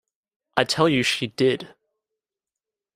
I tell you she did.